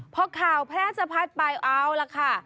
พอข่าวแพร่สะพัดไปเอาล่ะค่ะ